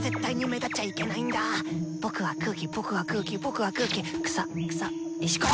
僕は空気僕は空気僕は空気草草石ころ。